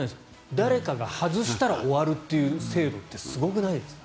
誰かが外したら終わるっていう制度ってすごくないですか？